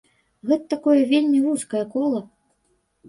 Гэта такое вельмі вузкае кола.